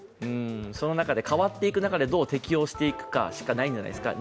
その中で変わっていく中でどう適用するかしかないんじゃないですかね。